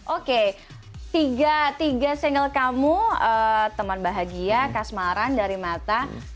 oke tiga single kamu teman bahagia kasmaran dari mata